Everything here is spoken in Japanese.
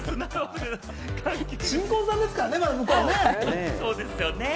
新婚さんですからね、まだ向こうは。